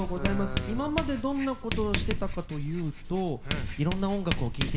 今までどんなことをしてたかというといろんな音楽を聴いてきたよね。